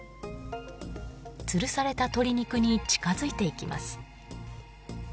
つるされた鶏肉に近づいていきます。